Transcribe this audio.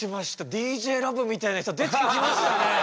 ＤＪＬＯＶＥみたいな人出てきましたね！